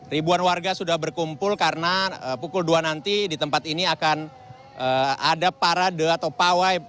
ribuan warga sudah berkumpul karena pukul dua nanti di tempat ini akan ada parade atau pawai